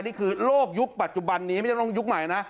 นี่คือโลกยุคปัจจุบันนี้ไม่ต้องยุคใหม่นะ